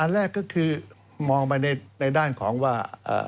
แรกก็คือมองไปในด้านของว่า